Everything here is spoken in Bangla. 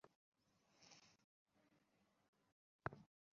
অতঃপর জ্ঞানলাভ হইলে উহা হইতে স্বভাবতই পরমানন্দ আবির্ভূত হয়।